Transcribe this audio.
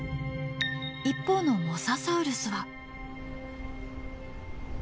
一方のモササウルスは？